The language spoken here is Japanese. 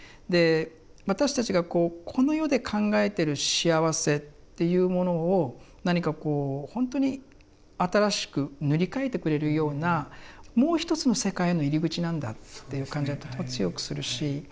で私たちがこうこの世で考えてる幸せっていうものを何かこうほんとに新しく塗り替えてくれるようなもう一つの世界の入り口なんだっていう感じはとても強くするし。